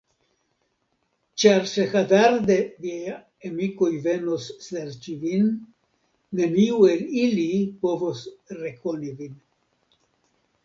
Ĉar se hazarde viaj amikoj venos serĉi vin, neniu el ili povos rekoni vin.